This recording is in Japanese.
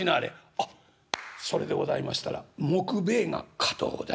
「あっそれでございましたら杢兵衛が堅うございます」。